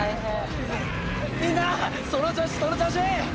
みんなその調子その調子！